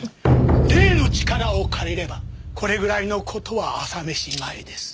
霊の力を借りればこれぐらいの事は朝飯前です。